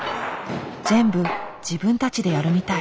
全部自分たちでやるみたい。